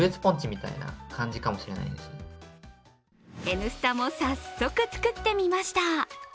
「Ｎスタ」も早速、作ってみました。